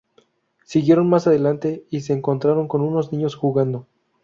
Siguieron más adelante y se encontraron con unos niños jugando.